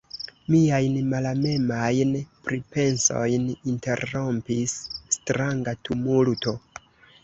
Miajn malamemajn pripensojn interrompis stranga tumulto.